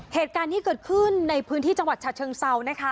เหตุการณ์นี้เกิดขึ้นในพื้นที่จังหวัดฉะเชิงเซานะคะ